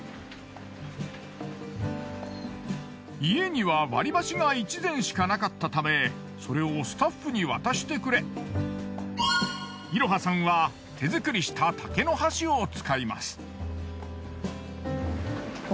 家には割り箸が一膳しかなかったためそれをスタッフに渡してくれいろはさんは手作りした竹の箸を使います。